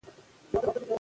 وخت مدیریت کړئ.